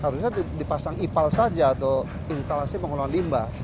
harusnya dipasang ipal saja atau instalasi pengelolaan limbah